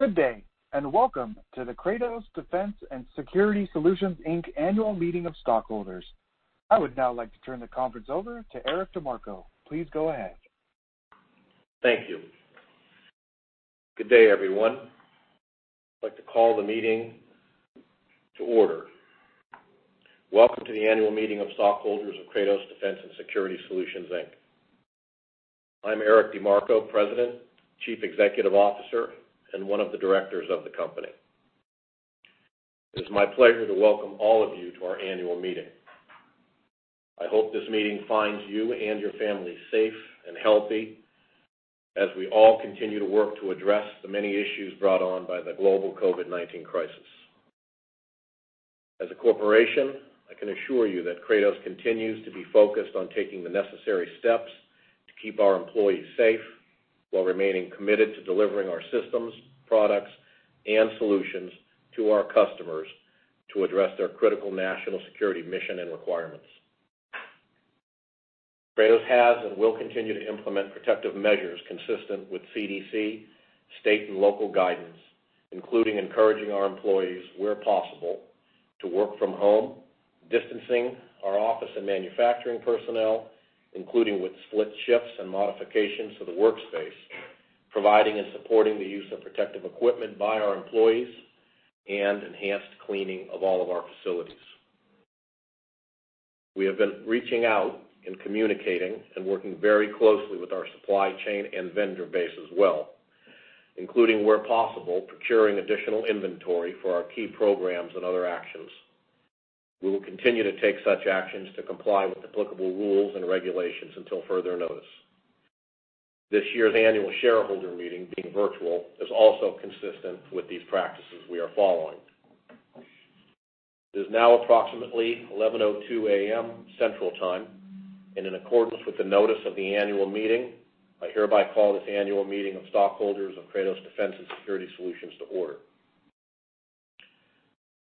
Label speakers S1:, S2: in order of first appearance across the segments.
S1: Good day, and welcome to the Kratos Defense & Security Solutions annual meeting of stockholders. I would now like to turn the conference over to Eric DeMarco. Please go ahead.
S2: Thank you. Good day, everyone. I'd like to call the meeting to order. Welcome to the annual meeting of stockholders of Kratos Defense & Security Solutions Inc. I'm Eric DeMarco, President, Chief Executive Officer, and one of the Directors of the company. It is my pleasure to welcome all of you to our annual meeting. I hope this meeting finds you and your families safe and healthy as we all continue to work to address the many issues brought on by the global COVID-19 crisis. As a corporation, I can assure you that Kratos continues to be focused on taking the necessary steps to keep our employees safe while remaining committed to delivering our systems, products, and solutions to our customers to address their critical national security mission and requirements. Kratos has and will continue to implement protective measures consistent with CDC state and local guidance, including encouraging our employees, where possible, to work from home, distancing our office and manufacturing personnel, including with split shifts and modifications to the workspace, providing and supporting the use of protective equipment by our employees, and enhanced cleaning of all of our facilities. We have been reaching out and communicating and working very closely with our supply chain and vendor base as well, including, where possible, procuring additional inventory for our key programs and other actions. We will continue to take such actions to comply with applicable rules and regulations until further notice. This year's annual shareholder meeting, being virtual, is also consistent with these practices we are following. It is now approximately 11:02 A.M. Central Time, and in accordance with the notice of the annual meeting, I hereby call this annual meeting of stockholders of Kratos Defense & Security Solutions to order.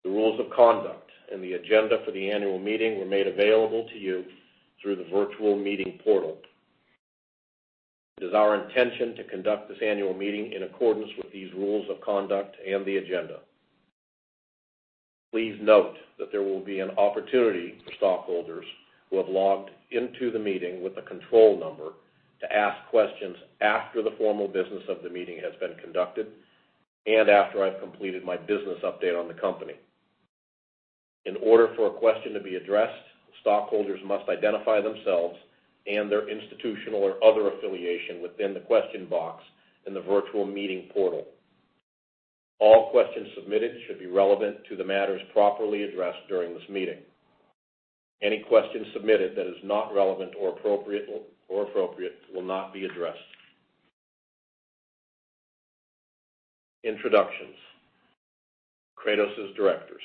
S2: The rules of conduct and the agenda for the annual meeting were made available to you through the virtual meeting portal. It is our intention to conduct this annual meeting in accordance with these rules of conduct and the agenda. Please note that there will be an opportunity for stockholders who have logged into the meeting with a control number to ask questions after the formal business of the meeting has been conducted and after I've completed my business update on the company. In order for a question to be addressed, stockholders must identify themselves and their institutional or other affiliation within the question box in the virtual meeting portal. All questions submitted should be relevant to the matters properly addressed during this meeting. Any question submitted that is not relevant or appropriate will not be addressed. Introductions: Kratos' Directors.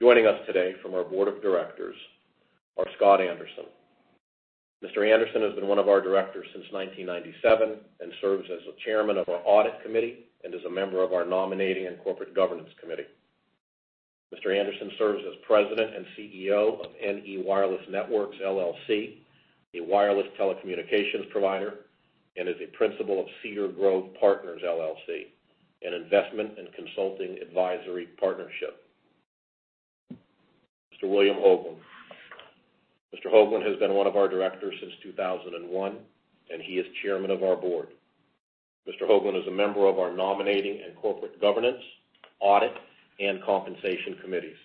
S2: Joining us today from our Board of Directors are Scott Anderson. Mr. Anderson has been one of our Directors since 1997 and serves as the Chairman of our Audit Committee and is a member of our nominating and corporate governance committee. Mr. Anderson serves as president and CEO of NE Wireless Networks, a wireless telecommunications provider, and is a principal of Cedar Growth Partners LLC, an investment and consulting advisory partnership. Mr. William Hoglund. Mr. Hoglund has been one of our Directors since 2001, and he is Chairman of our Board. Mr. Hoglund is a member of our nominating and corporate governance, audit, and compensation committees.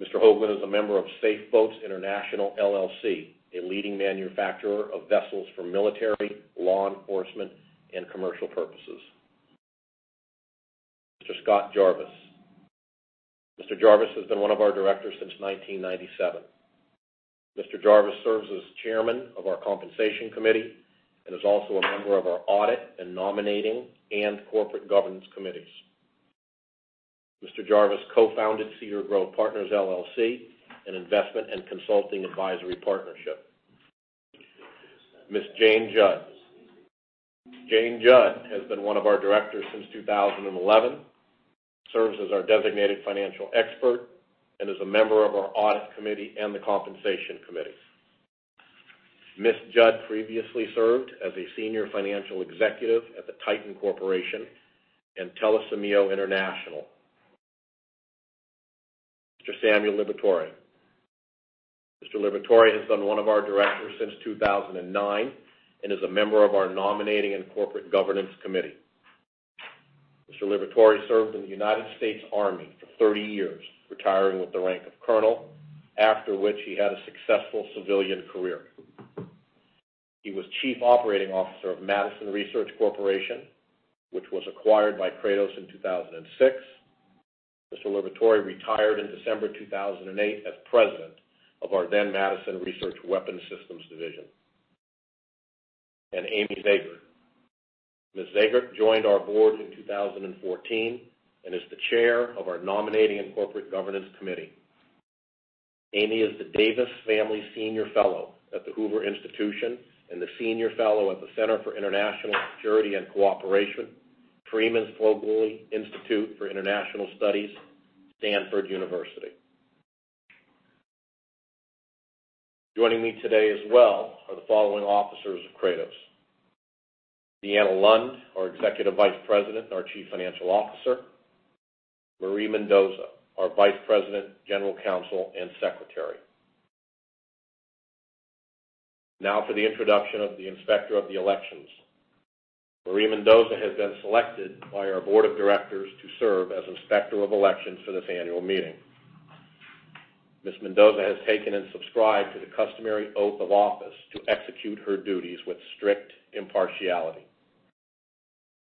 S2: Mr. Hoglund is a member of SAFE Boats International, a leading manufacturer of vessels for military, law enforcement, and commercial purposes. Mr. Scot Jarvis. Mr. Jarvis has been one of our Directors since 1997. Mr. Jarvis serves as Chairman of our compensation committee and is also a member of our audit and nominating and corporate governance committees. Mr. Jarvis co-founded Cedar Growth Partners LLC, an investment and consulting advisory partnership. Ms. Jane Judd. Jane Judd has been one of our Directors since 2011, serves as our designated financial expert, and is a member of our Audit Committee and the compensation committees. Ms. Judd previously served as a senior financial executive at the Titan Corporation and Telisimo International. Mr. Samuel Liberatore. Mr. Liberatore has been one of our Directors since 2009 and is a member of our nominating and corporate governance committee. Mr. Liberatore served in the United States Army for 30 years, retiring with the rank of colonel, after which he had a successful civilian career. He was chief operating officer of Madison Research Corporation, which was acquired by Kratos in 2006. Mr. Liberatore retired in December 2008 as president of our then-Madison Research Weapons Systems Division. Amy Zegart. Ms. Zegart joined our Board in 2014 and is the chair of our nominating and corporate governance committee. Amy is the Davis Family Senior Fellow at the Hoover Institution and the Senior Fellow at the Center for International Security and Cooperation, Freeman Spogli Institute for International Studies, Stanford University. Joining me today as well are the following officers of Kratos: Deanna Lund, our Executive Vice President, our Chief Financial Officer; Marie Mendoza, our Vice President, General Counsel, and Secretary. Now for the introduction of the inspector of the elections. Marie Mendoza has been selected by our Board of Directors to serve as inspector of elections for this annual meeting. Ms. Mendoza has taken and subscribed to the customary oath of office to execute her duties with strict impartiality.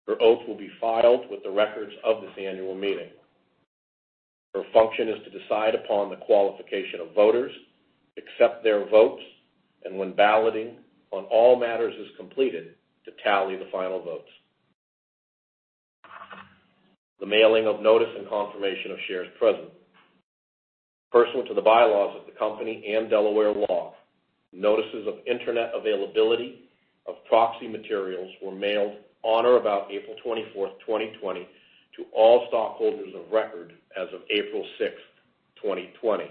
S2: Her oath will be filed with the records of this annual meeting. Her function is to decide upon the qualification of voters, accept their votes, and when balloting on all matters is completed, to tally the final votes. The mailing of notice and confirmation of shares present. Pursuant to the bylaws of the company and Delaware law, notices of internet availability of proxy materials were mailed on or about April 24, 2020, to all stockholders of record as of April 6, 2020.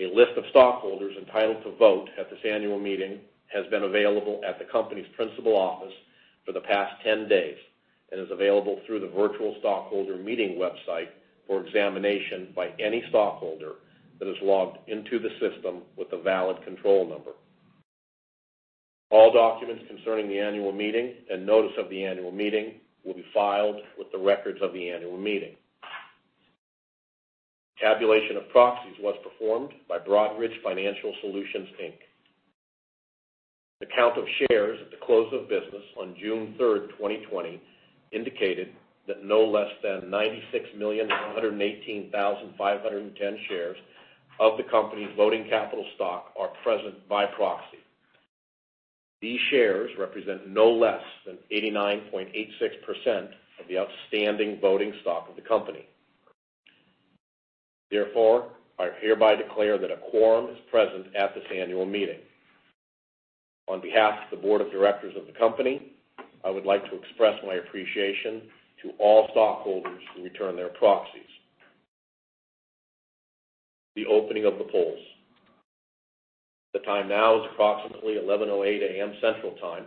S2: A list of stockholders entitled to vote at this annual meeting has been available at the company's principal office for the past 10 days and is available through the virtual stockholder meeting website for examination by any stockholder that is logged into the system with a valid control number. All documents concerning the annual meeting and notice of the annual meeting will be filed with the records of the annual meeting. Tabulation of proxies was performed by Broadridge Financial Solutions. The count of shares at the close of business on June 3, 2020, indicated that no less than 96,118,510 shares of the company's voting capital stock are present by proxy. These shares represent no less than 89.86% of the outstanding voting stock of the company. Therefore, I hereby declare that a quorum is present at this annual meeting. On behalf of the Board of Directors of the company, I would like to express my appreciation to all stockholders who return their proxies. The opening of the polls. The time now is approximately 11:08 A.M. Central Time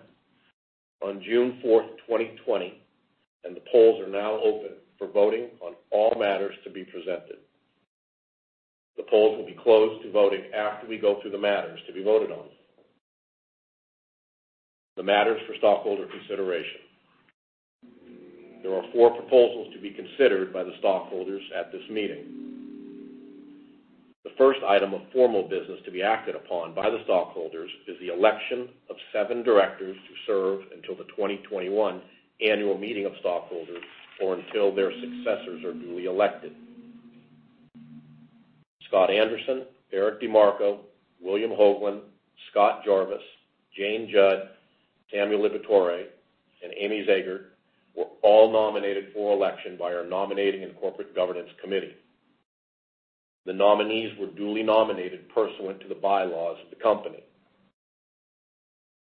S2: on June 4, 2020, and the polls are now open for voting on all matters to be presented. The polls will be closed to voting after we go through the matters to be voted on. The matters for stockholder consideration. There are four proposals to be considered by the stockholders at this meeting. The first item of formal business to be acted upon by the stockholders is the election of seven Directors to serve until the 2021 annual meeting of stockholders or until their successors are duly elected. Scott Anderson, Eric DeMarco, William Hoglund, Scot Jarvis, Jane Judd, Samuel Liberatore, and Amy Zegart were all nominated for election by our nominating and corporate governance committee. The nominees were duly nominated pursuant to the bylaws of the company.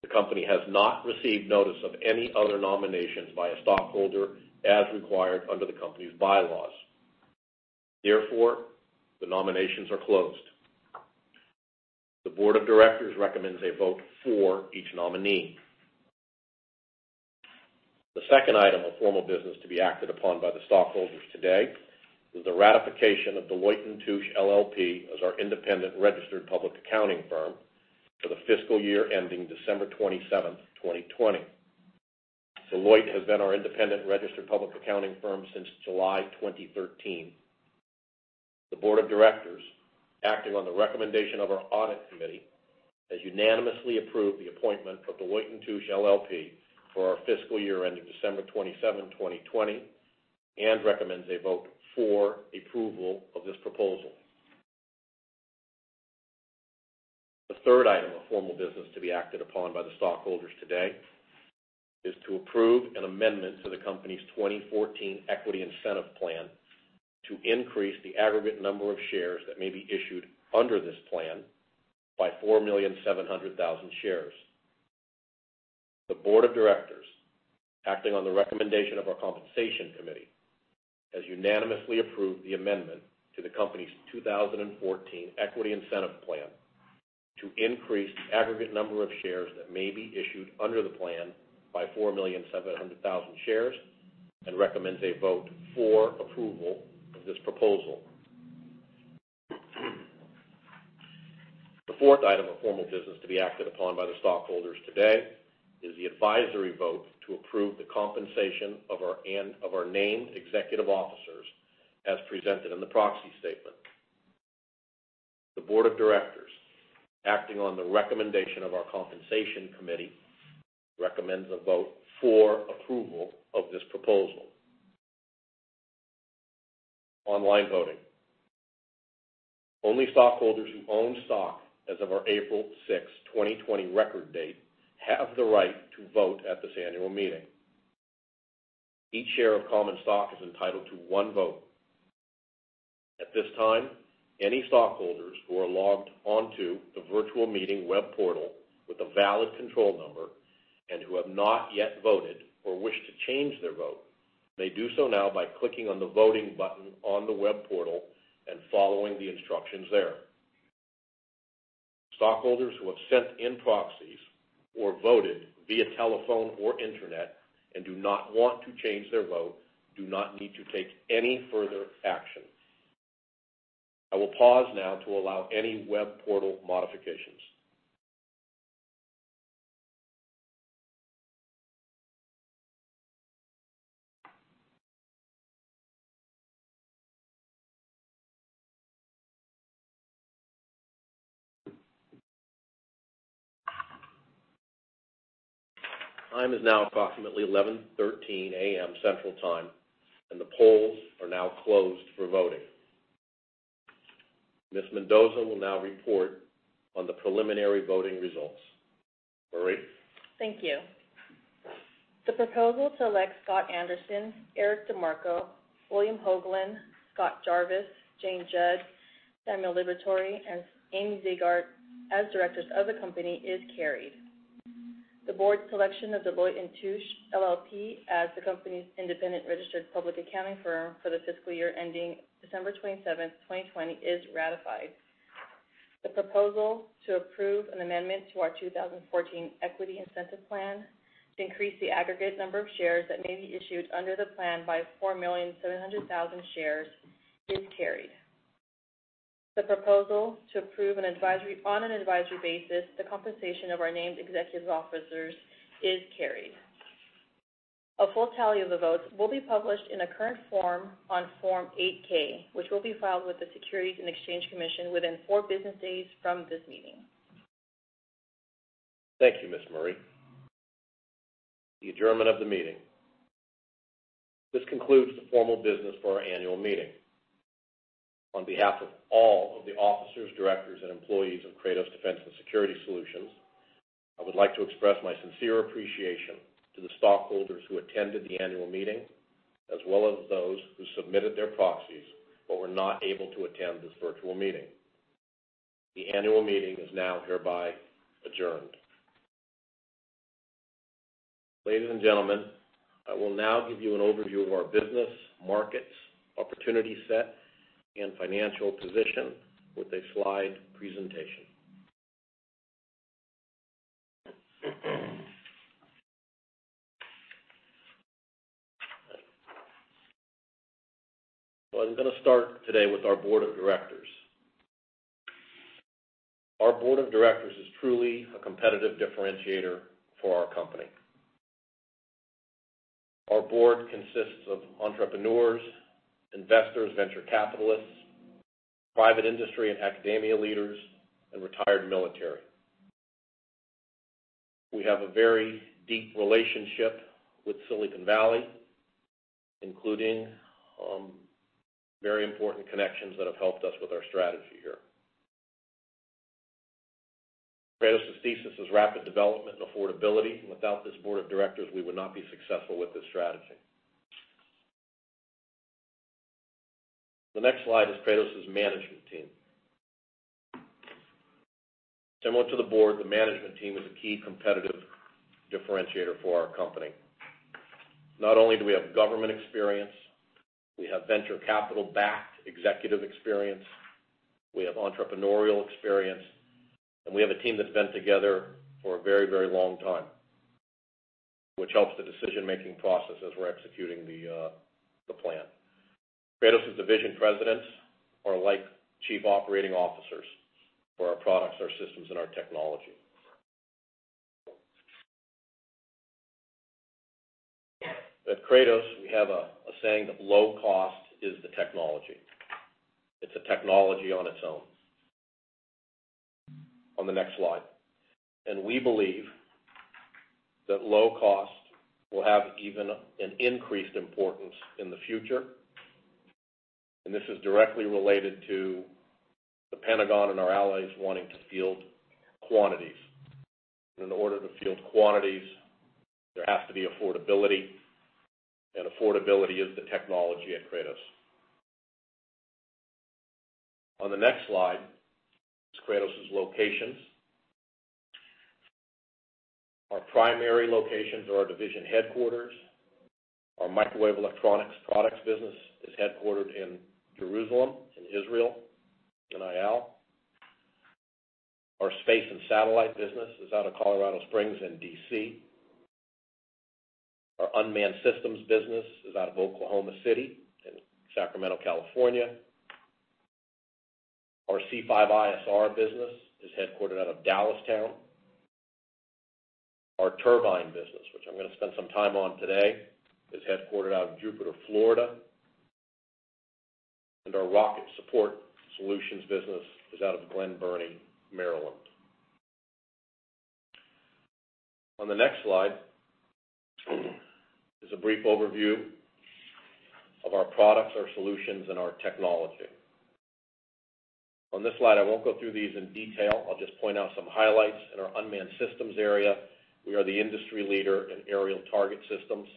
S2: The company has not received notice of any other nominations by a stockholder as required under the company's bylaws. Therefore, the nominations are closed. The Board of Directors recommends a vote for each nominee. The second item of formal business to be acted upon by the stockholders today is the ratification of Deloitte & Touche, LLP as our independent registered public accounting firm for the fiscal year ending December 27, 2020. Deloitte has been our independent registered public accounting firm since July 2013. The Board of Directors, acting on the recommendation of our Audit Committee, has unanimously approved the appointment of Deloitte & Touche, LLP for our fiscal year ending December 27, 2020, and recommends a vote for approval of this proposal. The third item of formal business to be acted upon by the stockholders today is to approve an amendment to the company's 2014 Equity Incentive Plan to increase the aggregate number of shares that may be issued under this plan by 4,700,000 shares. The Board of Directors, acting on the recommendation of our compensation committee, has unanimously approved the amendment to the company's 2014 Equity Incentive Plan to increase the aggregate number of shares that may be issued under the plan by 4,700,000 shares and recommends a vote for approval of this proposal. The fourth item of formal business to be acted upon by the stockholders today is the advisory vote to approve the compensation of our named executive officers as presented in the proxy statement. The Board of Directors, acting on the recommendation of our compensation committee, recommends a vote for approval of this proposal. Online voting. Only stockholders who own stock as of our April 6, 2020, record date have the right to vote at this annual meeting. Each share of common stock is entitled to one vote. At this time, any stockholders who are logged onto the virtual meeting web portal with a valid control number and who have not yet voted or wish to change their vote may do so now by clicking on the voting button on the web portal and following the instructions there. Stockholders who have sent in proxies or voted via telephone or internet and do not want to change their vote do not need to take any further action. I will pause now to allow any web portal modifications. Time is now approximately 11:13 A.M. Central Time, and the polls are now closed for voting. Ms. Mendoza will now report on the preliminary voting results. Marie?
S3: Thank you. The proposal to elect Scott Anderson, Eric DeMarco, William Hoglund, Scot Jarvis, Jane Judd, Samuel Liberatore, and Amy Zegart as Directors of the company is carried. The Board's selection of Deloitte & Touche, LLP as the company's independent registered public accounting firm for the fiscal year ending December 27, 2020, is ratified. The proposal to approve an amendment to our 2014 Equity Incentive Plan to increase the aggregate number of shares that may be issued under the plan by 4,700,000 shares is carried. The proposal to approve on an advisory basis the compensation of our named executive officers is carried. A full tally of the votes will be published in a current form on Form 8-K, which will be filed with the Securities and Exchange Commission within four business days from this meeting.
S2: Thank you, Ms. Marie. The adjournment of the meeting. This concludes the formal business for our annual meeting. On behalf of all of the officers, Directors, and employees of Kratos Defense & Security Solutions, I would like to express my sincere appreciation to the stockholders who attended the annual meeting, as well as those who submitted their proxies but were not able to attend this virtual meeting. The annual meeting is now hereby adjourned. Ladies and gentlemen, I will now give you an overview of our business, markets, opportunity set, and financial position with a slide presentation. I'm going to start today with our Board of Directors. Our Board of Directors is truly a competitive differentiator for our company. Our Board consists of entrepreneurs, investors, venture capitalists, private industry and academia leaders, and retired military. We have a very deep relationship with Silicon Valley, including very important connections that have helped us with our strategy here. Kratos' thesis is rapid development and affordability. Without this Board of Directors, we would not be successful with this strategy. The next slide is Kratos' management team. Similar to the Board, the management team is a key competitive differentiator for our company. Not only do we have government experience, we have venture capital-backed executive experience, we have entrepreneurial experience, and we have a team that's been together for a very, very long time, which helps the decision-making process as we're executing the plan. Kratos' division presidents are like chief operating officers for our products, our systems, and our technology. At Kratos, we have a saying that low cost is the technology. It's a technology on its own. On the next slide. We believe that low cost will have even an increased importance in the future. This is directly related to the Pentagon and our allies wanting to field quantities. In order to field quantities, there has to be affordability. Affordability is the technology at Kratos. On the next slide is Kratos' locations. Our primary locations are our division headquarters. Our microwave electronic products business is headquartered in Jerusalem, Israel. Our space and satellite business is out of Colorado Springs, CO. Our unmanned systems business is out of Oklahoma City, OK and Sacramento, CA. Our C5ISR business is headquartered out of Dallastown, PA. Our turbine business, which I'm going to spend some time on today, is headquartered out of Jupiter, FL. Our rocket support solutions business is out of Glen Burnie, MD. On the next slide is a brief overview of our products, our solutions, and our technology. On this slide, I won't go through these in detail. I'll just point out some highlights. In our unmanned systems area, we are the industry leader in aerial target systems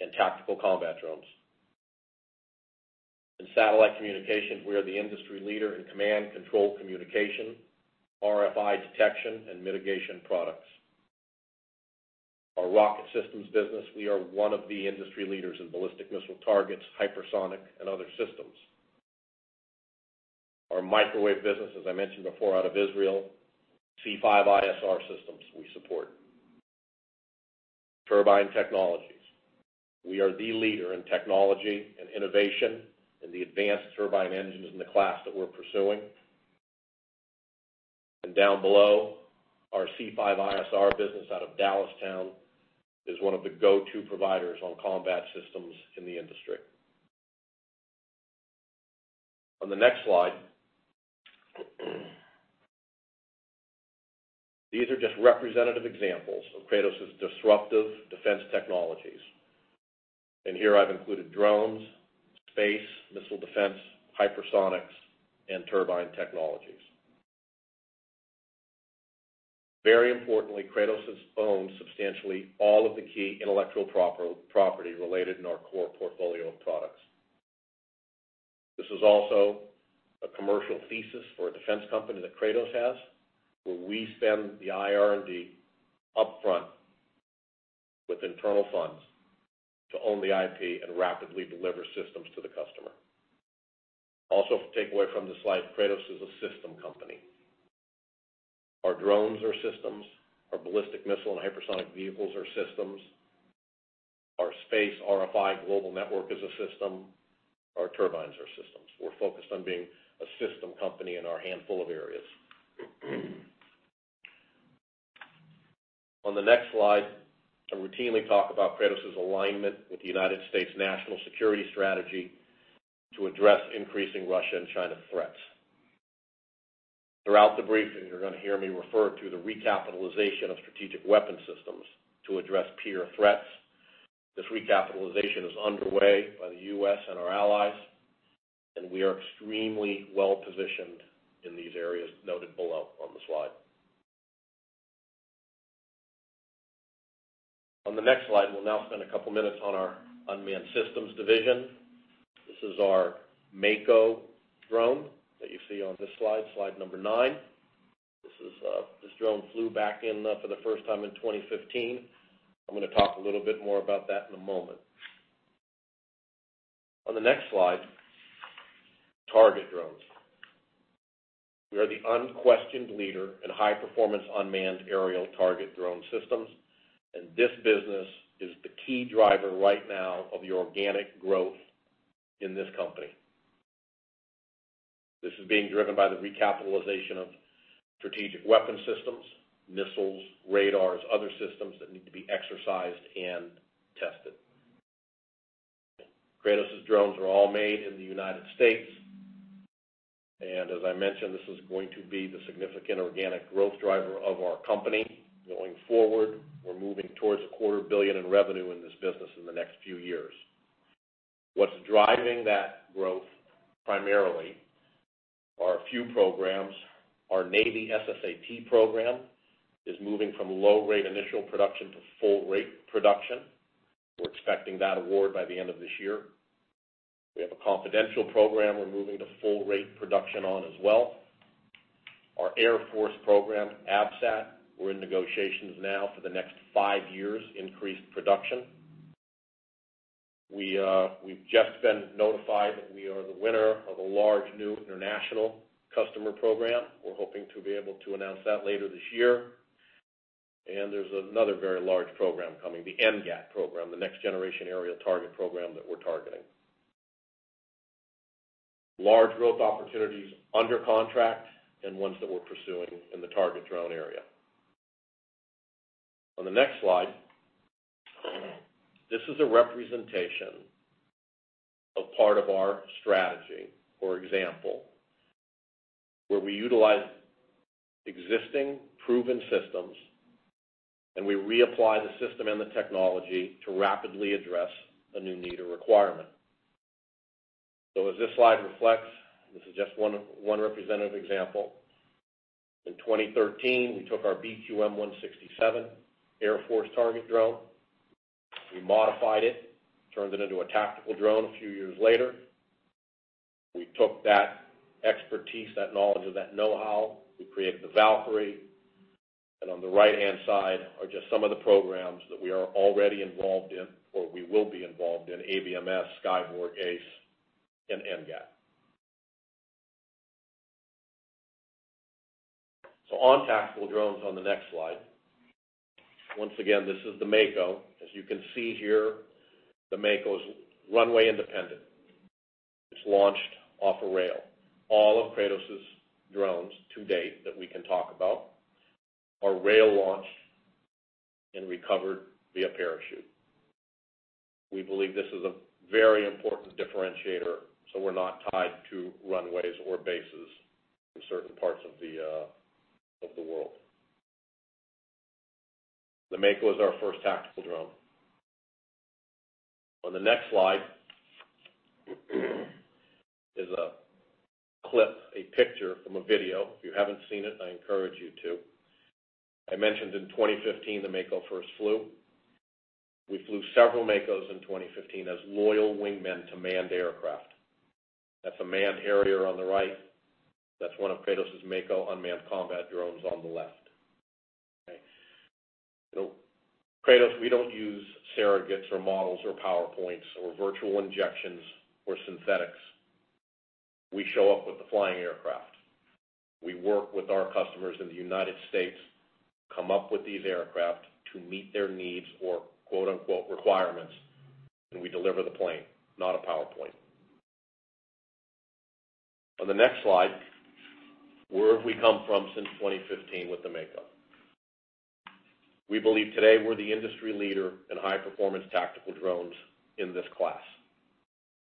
S2: and tactical combat drones. In satellite communications, we are the industry leader in command, control, communication, RFI detection, and mitigation products. Our rocket systems business, we are one of the industry leaders in ballistic missile targets, hypersonic, and other systems. Our microwave business, as I mentioned before, out of Israel, C5ISR systems we support. Turbine technologies, we are the leader in technology and innovation in the advanced turbine engines in the class that we're pursuing. Down below, our C5ISR business out of Dallastown is one of the go-to providers on combat systems in the industry. On the next slide, these are just representative examples of Kratos' disruptive defense technologies. Here I've included drones, space, missile defense, hypersonics, and turbine technologies. Very importantly, Kratos has owned substantially all of the key intellectual property related in our core portfolio of products. This is also a commercial thesis for a defense company that Kratos has, where we spend the IR&D upfront with internal funds to own the IP and rapidly deliver systems to the customer. Also, take away from this slide, Kratos is a system company. Our drones are systems. Our ballistic missile and hypersonic vehicles are systems. Our space RFI global network is a system. Our turbines are systems. We're focused on being a system company in our handful of areas. On the next slide, I routinely talk about Kratos' alignment with the United States National Security Strategy to address increasing Russia and China threats. Throughout the briefing, you're going to hear me refer to the recapitalization of strategic weapon systems to address peer threats. This recapitalization is underway by the U.S. and our allies, and we are extremely well-positioned in these areas noted below on the slide. On the next slide, we'll now spend a couple of minutes on our unmanned systems division. This is our Mako drone that you see on this slide, slide number nine. This drone flew back in for the first time in 2015. I'm going to talk a little bit more about that in a moment. On the next slide, target drones. We are the unquestioned leader in high-performance unmanned aerial target drone systems, and this business is the key driver right now of the organic growth in this company. This is being driven by the recapitalization of strategic weapon systems, missiles, radars, other systems that need to be exercised and tested. Kratos' drones are all made in the United States. As I mentioned, this is going to be the significant organic growth driver of our company going forward. We're moving towards a quarter billion in revenue in this business in the next few years. What's driving that growth primarily are a few programs. Our Navy SSAT program is moving from low-rate initial production to full-rate production. We're expecting that award by the end of this year. We have a confidential program we're moving to full-rate production on as well. Our Air Force program, AFSAT, we're in negotiations now for the next five years, increased production. We've just been notified that we are the winner of a large new international customer program. We're hoping to be able to announce that later this year. There's another very large program coming, the NGAT program, the next-generation aerial target program that we're targeting. Large growth opportunities under contract and ones that we're pursuing in the target drone area. On the next slide, this is a representation of part of our strategy, for example, where we utilize existing proven systems and we reapply the system and the technology to rapidly address a new need or requirement. As this slide reflects, this is just one representative example. In 2013, we took our BQM-167 Air Force target drone. We modified it, turned it into a tactical drone a few years later. We took that expertise, that knowledge of that know-how, we created the Valkyrie. On the right-hand side are just some of the programs that we are already involved in or we will be involved in: ABMS, Skyborg, ACE, and NGAT. On tactical drones, on the next slide, once again, this is the Mako. As you can see here, the Mako is runway independent. It's launched off a rail. All of Kratos' drones to date that we can talk about are rail-launched and recovered via parachute. We believe this is a very important differentiator so we're not tied to runways or bases in certain parts of the world. The Mako is our first tactical drone. On the next slide is a clip, a picture from a video. If you haven't seen it, I encourage you to. I mentioned in 2015 the Mako first flew. We flew several Makos in 2015 as loyal wingmen to manned aircraft. That's a manned carrier on the right. That's one of Kratos' Mako unmanned combat drones on the left. Kratos, we don't use surrogates or models or PowerPoints or virtual injections or synthetics. We show up with the flying aircraft. We work with our customers in the United States, come up with these aircraft to meet their needs or "requirements," and we deliver the plane, not a PowerPoint. On the next slide, where have we come from since 2015 with the Mako? We believe today we're the industry leader in high-performance tactical drones in this class.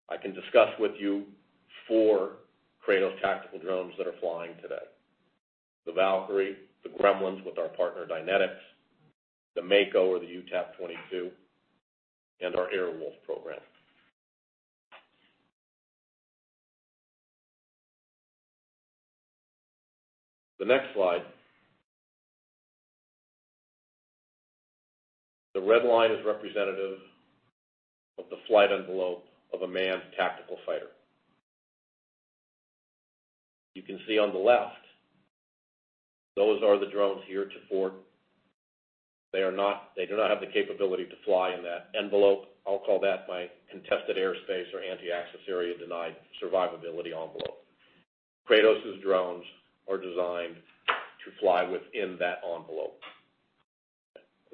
S2: I can discuss with you four Kratos tactical drones that are flying today: the Valkyrie, the Gremlins with our partner Dynetics, the Mako or the UTAP-22, and our Airwolf program. The next slide, the red line is representative of the flight envelope of a manned tactical fighter. You can see on the left, those are the drones here to port. They do not have the capability to fly in that envelope. I'll call that my contested airspace or anti-access area denied survivability envelope. Kratos' drones are designed to fly within that envelope.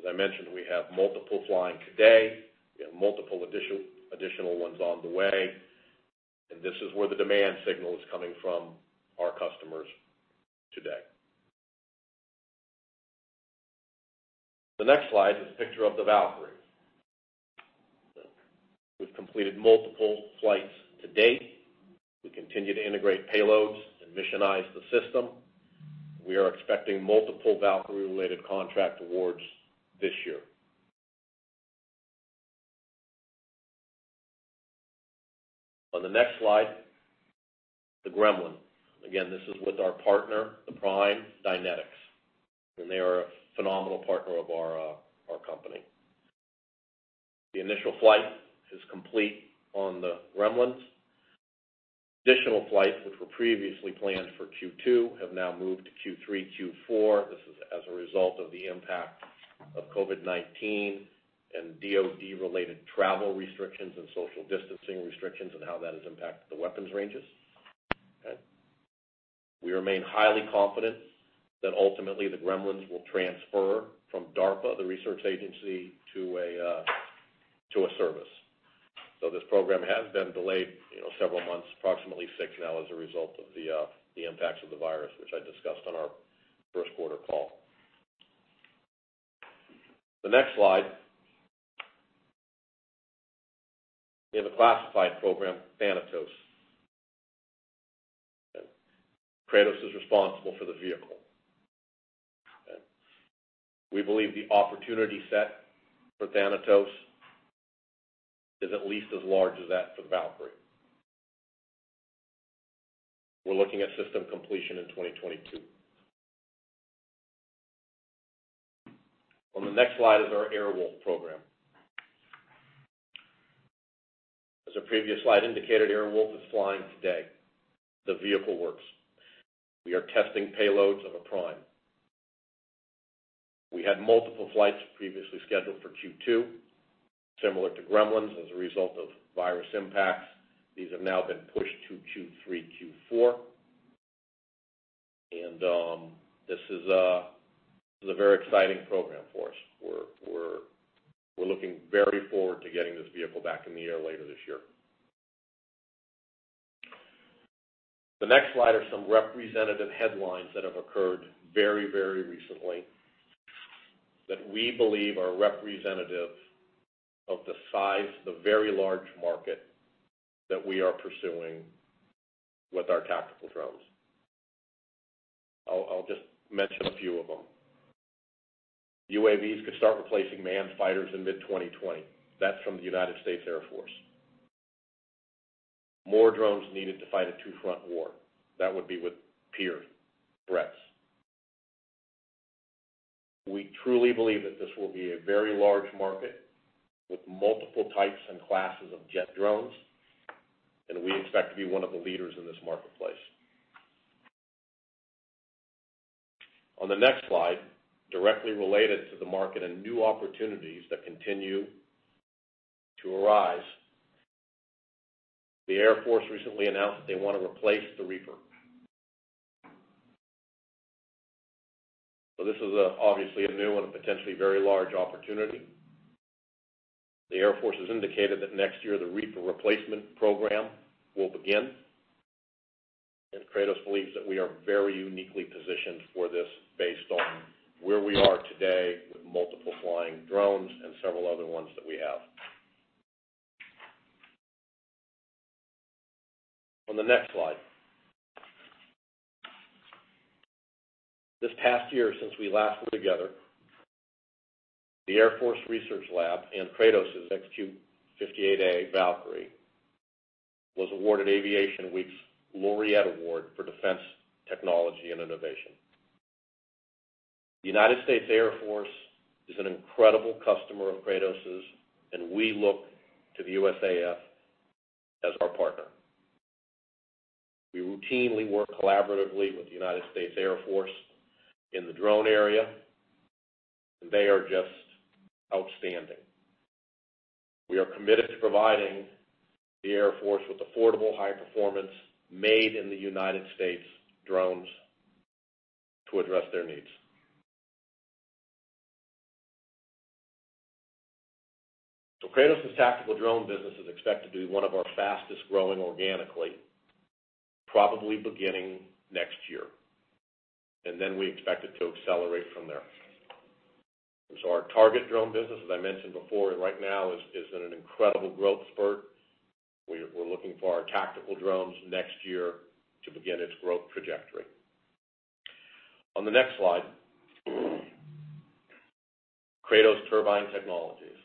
S2: As I mentioned, we have multiple flying today. We have multiple additional ones on the way. This is where the demand signal is coming from our customers today. The next slide is a picture of the Valkyrie. We've completed multiple flights to date. We continue to integrate payloads and missionize the system. We are expecting multiple Valkyrie-related contract awards this year. On the next slide, the Gremlin. Again, this is with our partner, the Prime Dynetics, and they are a phenomenal partner of our company. The initial flight is complete on the Gremlins. Additional flights, which were previously planned for Q2, have now moved to Q3, Q4. This is as a result of the impact of COVID-19 and DOD-related travel restrictions and social distancing restrictions and how that has impacted the weapons ranges. We remain highly confident that ultimately the Gremlins will transfer from DARPA, the research agency, to a service. This program has been delayed several months, approximately six now, as a result of the impacts of the virus, which I discussed on our first quarter call. The next slide, we have a classified program, Thanatos. Kratos is responsible for the vehicle. We believe the opportunity set for Thanatos is at least as large as that for the Valkyrie. We're looking at system completion in 2022. On the next slide is our Airwolf program. As a previous slide indicated, Airwolf is flying today. The vehicle works. We are testing payloads of a Prime. We had multiple flights previously scheduled for Q2, similar to Gremlins, as a result of virus impacts. These have now been pushed to Q3, Q4. This is a very exciting program for us. We are looking very forward to getting this vehicle back in the air later this year. The next slide are some representative headlines that have occurred very, very recently that we believe are representatives of the size, the very large market that we are pursuing with our tactical drones. I'll just mention a few of them. UAV's could start replacing manned fighters in mid-2020. That's from the United States Air Force. More drones needed to fight a two-front war. That would be with peer threats. We truly believe that this will be a very large market with multiple types and classes of jet drones, and we expect to be one of the leaders in this marketplace. On the next slide, directly related to the market and new opportunities that continue to arise, the Air Force recently announced they want to replace the Reaper. This is obviously a new and a potentially very large opportunity. The Air Force has indicated that next year the Reaper replacement program will begin. Kratos believes that we are very uniquely positioned for this based on where we are today with multiple flying drones and several other ones that we have. On the next slide, this past year, since we last were together, the Air Force Research Lab and Kratos' XQ-58A Valkyrie was awarded Aviation Week's Laureate Award for Defense Technology and Innovation. The United States Air Force is an incredible customer of Kratos's, and we look to the U.S. Air Force as our partner. We routinely work collaboratively with the United States Air Force in the drone area, and they are just outstanding. We are committed to providing the Air Force with affordable high-performance made-in-the-United-States drones to address their needs. Kratos' tactical drone business is expected to be one of our fastest growing organically, probably beginning next year. We expect it to accelerate from there. Our target drone business, as I mentioned before, and right now is in an incredible growth spurt. We're looking for our tactical drones next year to begin its growth trajectory. On the next slide, Kratos Turbine Technologies.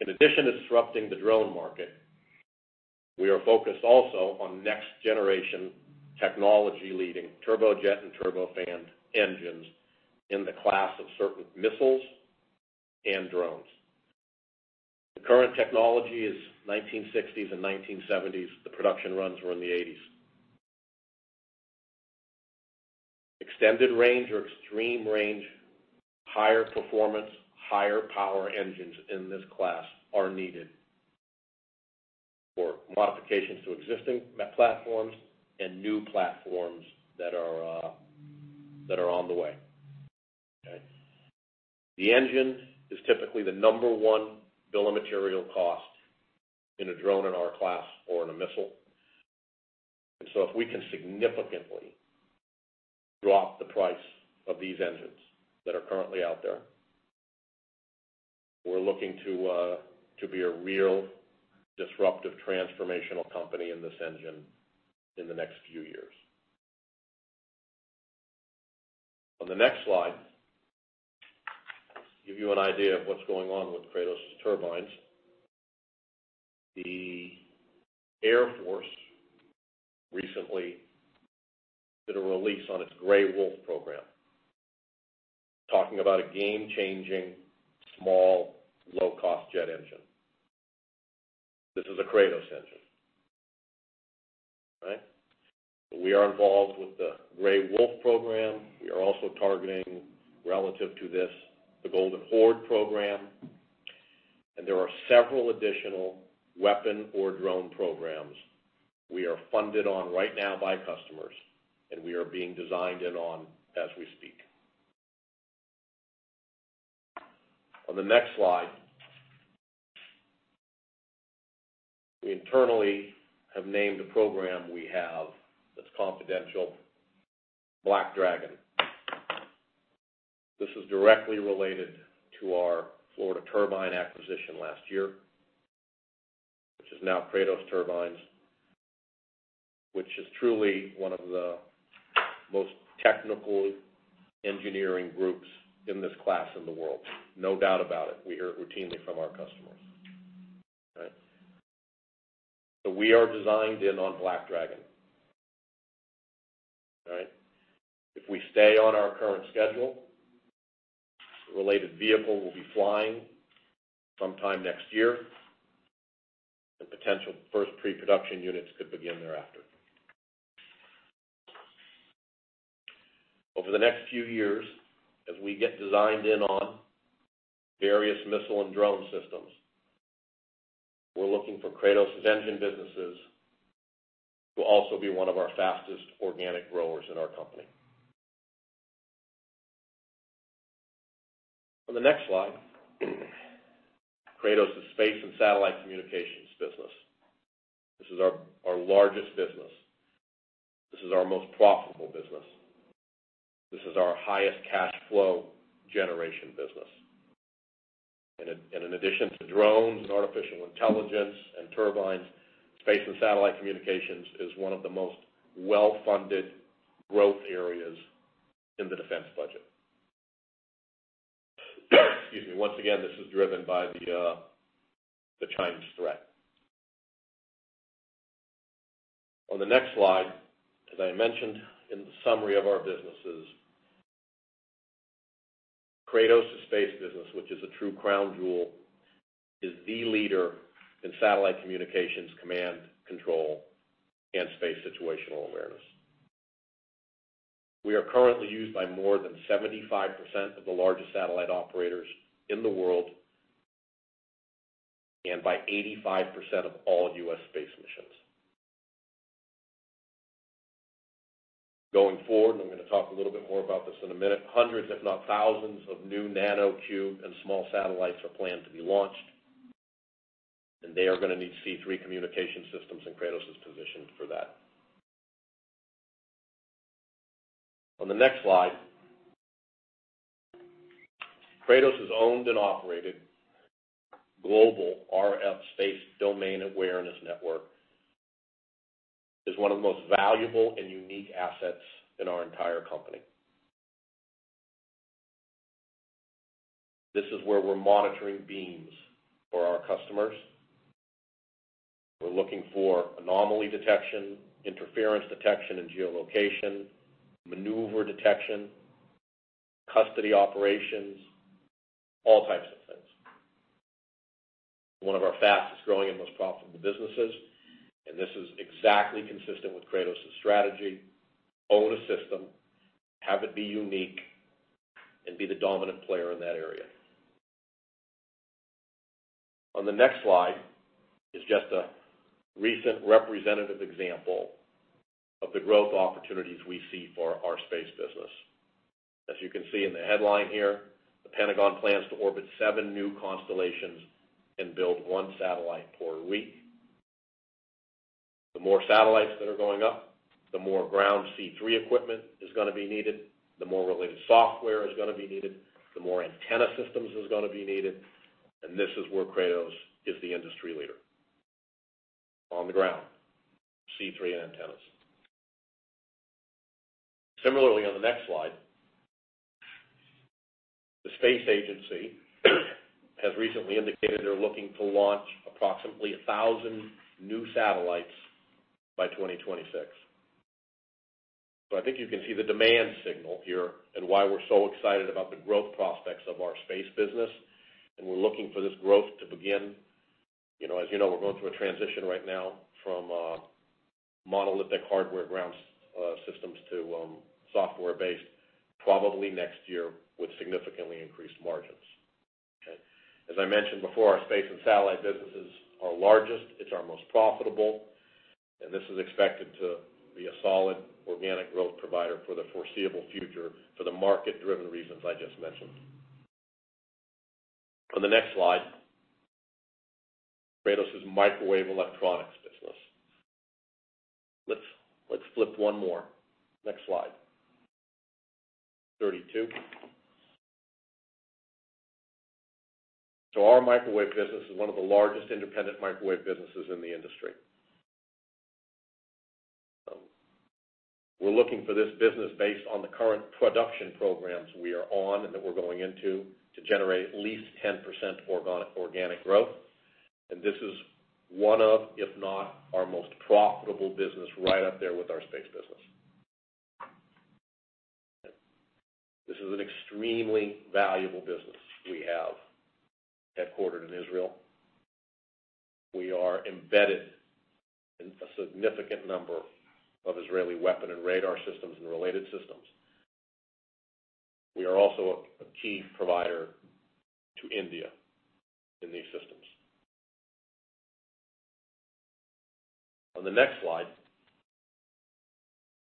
S2: In addition to disrupting the drone market, we are focused also on next-generation technology-leading turbojet and turbofan engines in the class of certain missiles and drones. The current technology is 1960's and 1970's. The production runs were in the 1980's. Extended range or extreme range, higher performance, higher power engines in this class are needed for modifications to existing platforms and new platforms that are on the way. The engine is typically the number one bill of material cost in a drone in our class or in a missile. If we can significantly drop the price of these engines that are currently out there, we're looking to be a real disruptive transformational company in this engine in the next few years. On the next slide, to give you an idea of what's going on with Kratos Turbines, the Air Force recently did a release on its Grey Wolf program, talking about a game-changing small, low-cost jet engine. This is a Kratos engine. We are involved with the Grey Wolf program. We are also targeting, relative to this, the Golden Horde program. There are several additional weapon or drone programs we are funded on right now by customers, and we are being designed in on as we speak. On the next slide, we internally have named a program we have that's confidential, Black Dragon. This is directly related to our Florida turbine acquisition last year, which is now Kratos Turbines, which is truly one of the most technical engineering groups in this class in the world. No doubt about it. We hear it routinely from our customers. We are designed in on Black Dragon. If we stay on our current schedule, the related vehicle will be flying sometime next year, and potential first pre-production units could begin thereafter. Over the next few years, as we get designed in on various missile and drone systems, we're looking for Kratos' engine businesses to also be one of our fastest organic growers in our company. On the next slide, Kratos' space and satellite communications business. This is our largest business. This is our most profitable business. This is our highest cash flow generation business. In addition to drones and artificial intelligence and turbines, space and satellite communications is one of the most well-funded growth areas in the defense budget. Excuse me. Once again, this is driven by the Chinese threat. On the next slide, as I mentioned in the summary of our businesses, Kratos' space business, which is a true crown jewel, is the leader in satellite communications, command, control, and space situational awareness. We are currently used by more than 75% of the largest satellite operators in the world and by 85% of all U.S. space missions. Going forward, I'm going to talk a little bit more about this in a minute, hundreds, if not thousands, of new nanocube and small satellites are planned to be launched. They are going to need C3 communication systems, and Kratos is positioned for that. On the next slide, Kratos' owned and operated Global RF Space Domain Awareness Network is one of the most valuable and unique assets in our entire company. This is where we're monitoring beams for our customers. We're looking for anomaly detection, interference detection and geolocation, maneuver detection, custody operations, all types of things. One of our fastest growing and most profitable businesses, and this is exactly consistent with Kratos' strategy, own a system, have it be unique, and be the dominant player in that area. On the next slide is just a recent representative example of the growth opportunities we see for our space business. As you can see in the headline here, the Pentagon plans to orbit seven new constellations and build one satellite per week. The more satellites that are going up, the more ground C3 equipment is going to be needed, the more related software is going to be needed, the more antenna systems are going to be needed. This is where Kratos is the industry leader on the ground, C3 antennas. Similarly, on the next slide, the space agency has recently indicated they're looking to launch approximately 1,000 new satellites by 2026. I think you can see the demand signal here and why we're so excited about the growth prospects of our space business. We're looking for this growth to begin. As you know, we're going through a transition right now from monolithic hardware ground systems to software-based, probably next year with significantly increased margins. As I mentioned before, our space and satellite business is our largest. It's our most profitable. This is expected to be a solid organic growth provider for the foreseeable future for the market-driven reasons I just mentioned. On the next slide, Kratos' microwave electronics business. Let's flip one more. Next slide, 32. Our microwave business is one of the largest independent microwave businesses in the industry. We're looking for this business based on the current production programs we are on and that we're going into to generate at least 10% organic growth. This is one of, if not our most profitable business, right up there with our space business. This is an extremely valuable business. We have headquartered in Israel. We are embedded in a significant number of Israeli weapon and radar systems and related systems. We are also a key provider to India in these systems. On the next slide,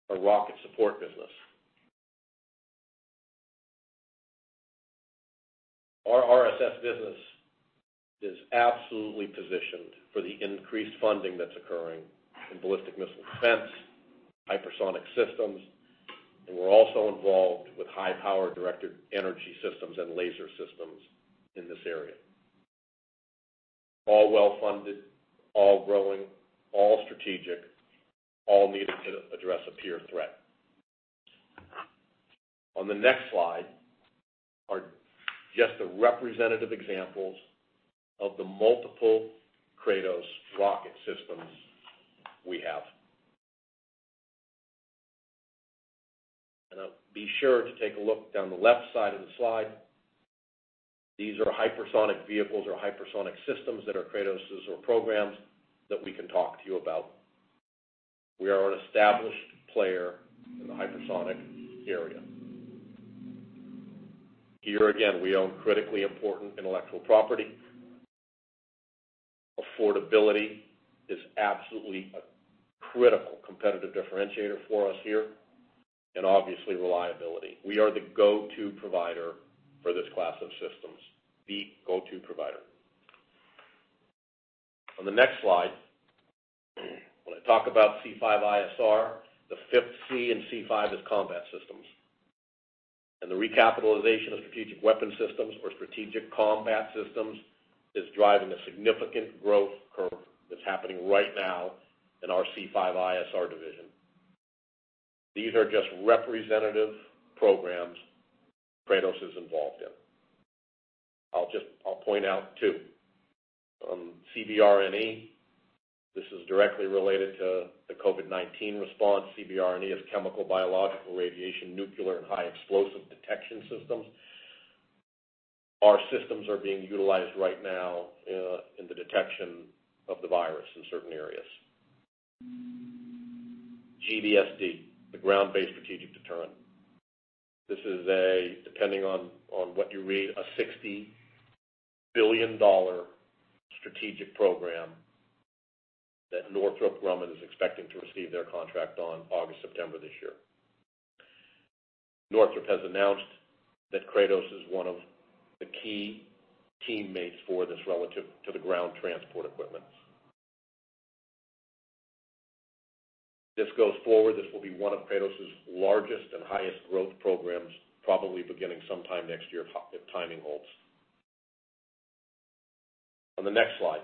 S2: a rocket support business. Our RSS business is absolutely positioned for the increased funding that's occurring in ballistic missile defense, hypersonic systems, and we're also involved with high-power directed energy systems and laser systems in this area. All well-funded, all growing, all strategic, all needed to address a peer threat. On the next slide, just a representative example of the multiple Kratos rocket systems we have. Be sure to take a look down the left side of the slide. These are hypersonic vehicles or hypersonic systems that are Kratos' programs that we can talk to you about. We are an established player in the hypersonic area. Here again, we own critically important intellectual property. Affordability is absolutely a critical competitive differentiator for us here, and obviously reliability. We are the go-to provider for this class of systems, the go-to provider. On the next slide, when I talk about C5ISR, the fifth C in C5ISR is combat systems. The recapitalization of strategic weapon systems or strategic combat systems is driving a significant growth curve that's happening right now in our C5ISR division. These are just representative programs Kratos is involved in. I'll point out too, CBRNE, this is directly related to the COVID-19 response. CBRNE is chemical, biological, radiation, nuclear, and high explosive detection systems. Our systems are being utilized right now in the detection of the virus in certain areas. GBSD, the Ground-Based Strategic Deterrent. This is a, depending on what you read, a $60 billion strategic program that Northrop Grumman is expecting to receive their contract on August, September this year. Northrop has announced that Kratos is one of the key teammates for this relative to the ground transport equipment. This goes forward, this will be one of Kratos' largest and highest growth programs, probably beginning sometime next year if timing holds. On the next slide,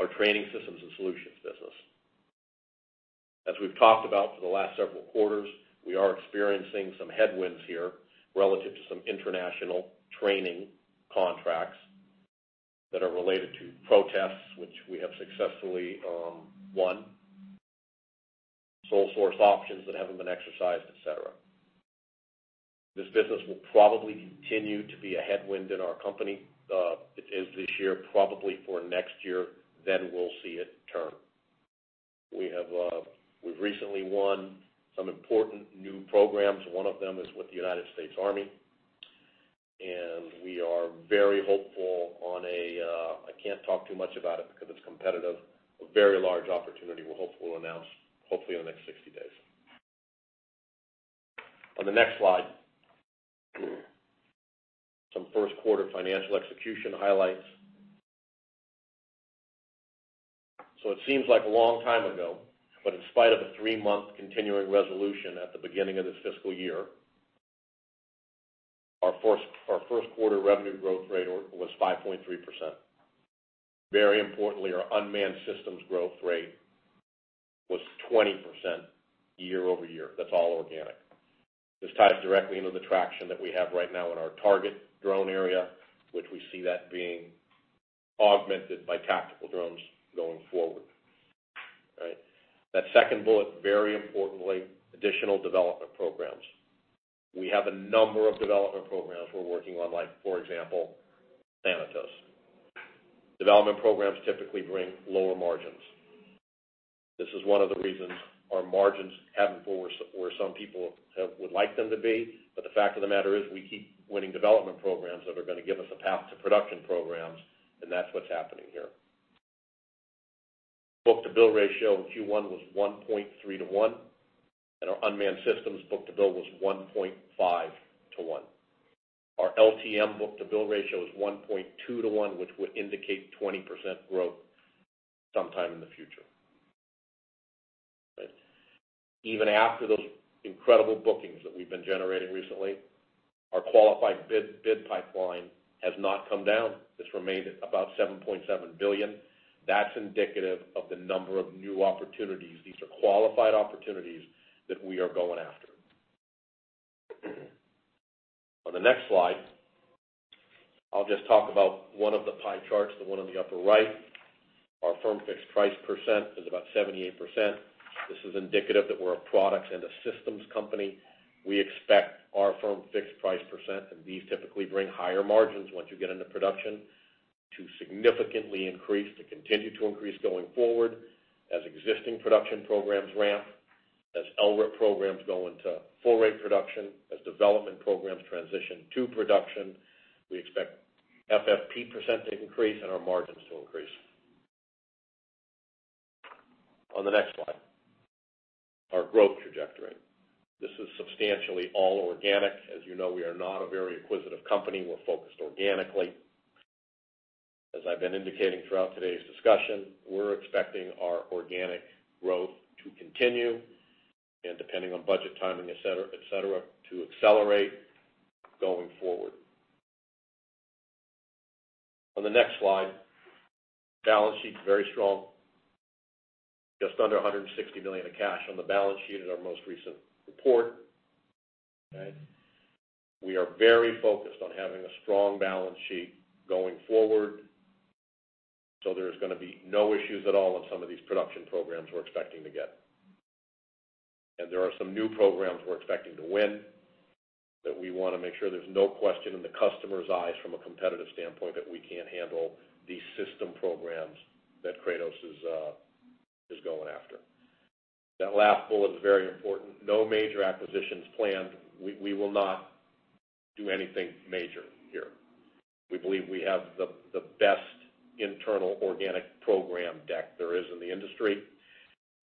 S2: our training systems and solutions business. As we've talked about for the last several quarters, we are experiencing some headwinds here relative to some international training contracts that are related to protests, which we have successfully won, full force options that haven't been exercised, etc. This business will probably continue to be a headwind in our company. It is this year, probably for next year, then we'll see it turn. We've recently won some important new programs. One of them is with the United States Army. We are very hopeful on a, I can't talk too much about it because it's competitive, a very large opportunity we're hopeful to announce, hopefully in the next 60 days. On the next slide, some first quarter financial execution highlights. It seems like a long time ago, but in spite of a three-month continuing resolution at the beginning of this fiscal year, our first quarter revenue growth rate was 5.3%. Very importantly, our unmanned systems growth rate was 20% year over year. That's all organic. This ties directly into the traction that we have right now in our target drone area, which we see that being augmented by tactical drones going forward. That second bullet, very importantly, additional development programs. We have a number of development programs we're working on, like for example, Thanatos. Development programs typically bring lower margins. This is one of the reasons our margins haven't been where some people would like them to be. The fact of the matter is we keep winning development programs that are going to give us a path to production programs, and that's what's happening here. Book-to-bill ratio in Q1 was 1.3 to 1, and our unmanned systems book-to-bill was 1.5 to 1. Our LTM book-to-bill ratio is 1.2 to 1, which would indicate 20% growth sometime in the future. Even after those incredible bookings that we've been generating recently, our qualified bid pipeline has not come down. It's remained at about $7.7 billion. That's indicative of the number of new opportunities. These are qualified opportunities that we are going after. On the next slide, I'll just talk about one of the pie charts, the one on the upper right. Our firm fixed price percent is about 78%. This is indicative that we're a products and a systems company. We expect our firm fixed price percent, and these typically bring higher margins once you get into production, to significantly increase, to continue to increase going forward as existing production programs ramp, as LRIP programs go into full rate production, as development programs transition to production. We expect FFP percent to increase and our margins to increase. On the next slide, our growth trajectory. This is substantially all organic. As you know, we are not a very acquisitive company. We're focused organically. As I've been indicating throughout today's discussion, we're expecting our organic growth to continue and, depending on budget timing, etc., to accelerate going forward. On the next slide, balance sheet is very strong, just under $160 million of cash on the balance sheet in our most recent report. We are very focused on having a strong balance sheet going forward. There is going to be no issues at all on some of these production programs we're expecting to get. There are some new programs we're expecting to win that we want to make sure there's no question in the customer's eyes from a competitive standpoint that we can't handle these system programs that Kratos is going after. That last bullet is very important. No major acquisitions planned. We will not do anything major here. We believe we have the best internal organic program deck there is in the industry.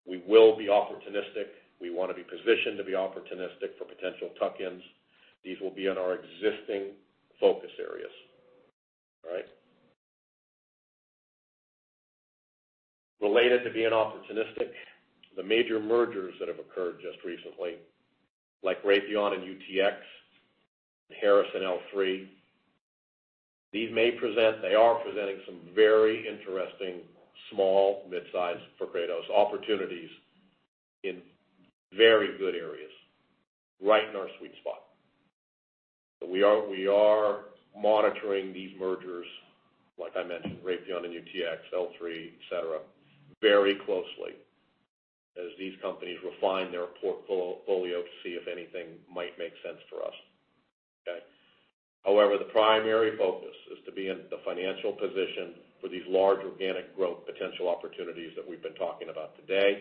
S2: We will be opportunistic. We want to be positioned to be opportunistic for potential tuck-ins. These will be in our existing focus areas. Related to being opportunistic, the major mergers that have occurred just recently, like Raytheon and UTX, Harris and L3, these may present, they are presenting some very interesting small, mid-sized for Kratos opportunities in very good areas, right in our sweet spot. We are monitoring these mergers, like I mentioned, Raytheon and UTX, L3, etc., very closely as these companies refine their portfolio to see if anything might make sense for us. However, the primary focus is to be in the financial position for these large organic growth potential opportunities that we've been talking about today.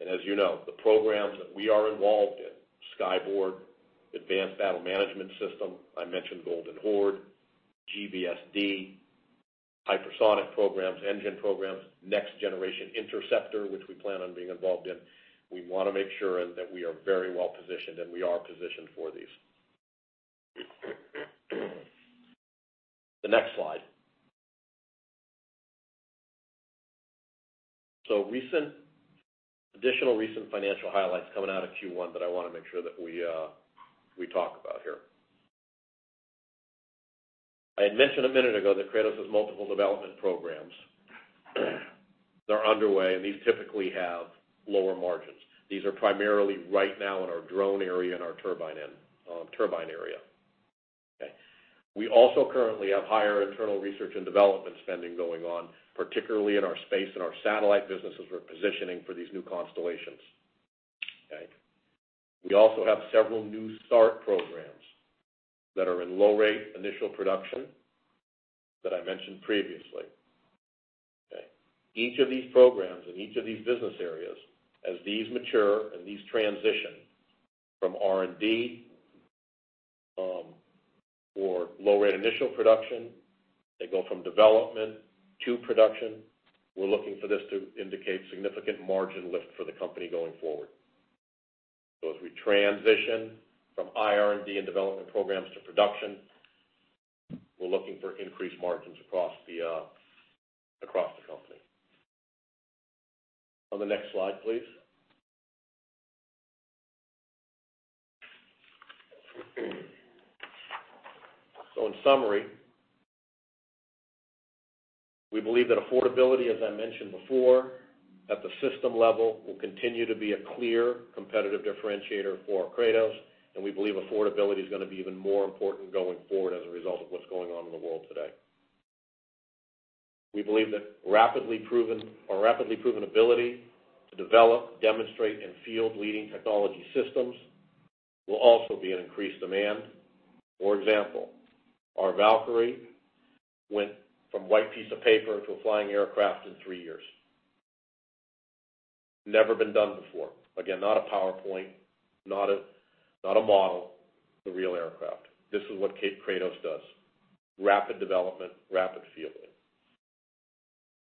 S2: As you know, the programs that we are involved in, Skyborg, Advanced Battle Management System, I mentioned Golden Horde, GBSD, hypersonic programs, engine programs, Next Generation Interceptor, which we plan on being involved in. We want to make sure that we are very well positioned and we are positioned for these. The next slide. Additional recent financial highlights coming out of Q1 that I want to make sure that we talk about here. I had mentioned a minute ago that Kratos has multiple development programs. They're underway, and these typically have lower margins. These are primarily right now in our drone area and our turbine area. We also currently have higher internal research and development spending going on, particularly in our space and our satellite businesses we're positioning for these new constellations. We also have several new start programs that are in low-rate initial production that I mentioned previously. Each of these programs and each of these business areas, as these mature and these transition from R&D or low-rate initial production, they go from development to production, we're looking for this to indicate significant margin lift for the company going forward. As we transition from IR&D and development programs to production, we're looking for increased margins across the company. On the next slide, please. In summary, we believe that affordability, as I mentioned before, at the system level will continue to be a clear competitive differentiator for Kratos, and we believe affordability is going to be even more important going forward as a result of what's going on in the world today. We believe that our rapidly proven ability to develop, demonstrate, and field leading technology systems will also be in increased demand. For example, our Valkyrie went from white piece of paper to a flying aircraft in three years. Never been done before. Again, not a PowerPoint, not a model, the real aircraft. This is what Kratos does. Rapid development, rapid field.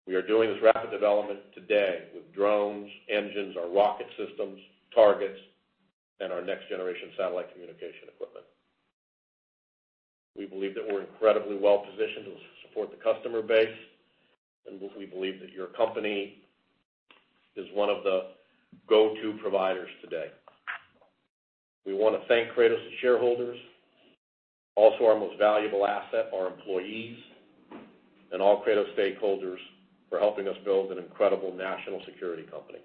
S2: We are doing this rapid development today with drones, engines, our rocket systems, targets, and our next-generation satellite communication equipment. We believe that we're incredibly well positioned to support the customer base, and we believe that your company is one of the go-to providers today. We want to thank Kratos' shareholders, also our most valuable asset, our employees, and all Kratos stakeholders for helping us build an incredible national security company.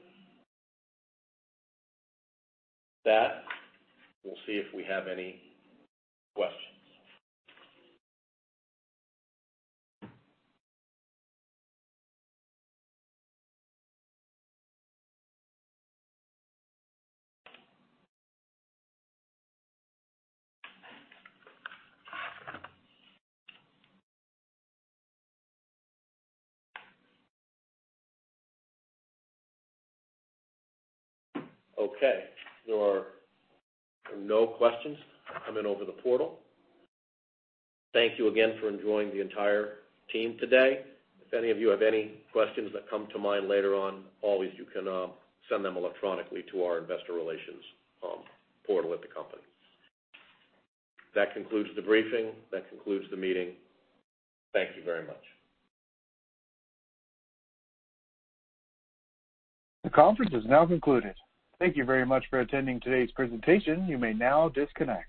S2: That, we'll see if we have any questions. Okay, there are no questions. I'm in over the portal. Thank you again for enjoying the entire team today. If any of you have any questions that come to mind later on, always you can send them electronically to our investor relations portal at the company. That concludes the briefing. That concludes the meeting. Thank you very much.
S1: The conference is now concluded. Thank you very much for attending today's presentation. You may now disconnect.